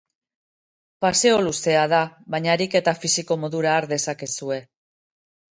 Paseo luzea da, baina ariketa fisiko modura har dezakezue.